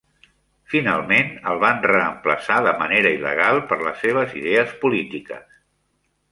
Finalment, el van reemplaçar de manera il·legal per les seves idees polítiques.